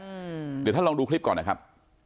เดี๋ยวท่านลองดูคลิปก่อนนะครับ